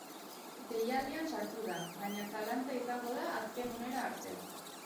Deialdian sartu da, baina zalantza izango da azken unera arte.